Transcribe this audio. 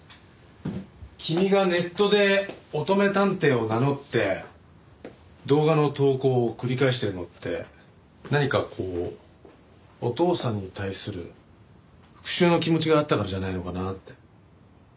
君がネットで乙女探偵を名乗って動画の投稿を繰り返してるのって何かこうお父さんに対する復讐の気持ちがあったからじゃないのかなって。